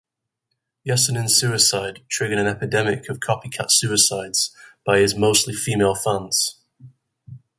Yesenin's suicide triggered an epidemic of copycat suicides by his mostly female fans.